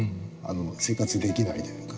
生活できないというか。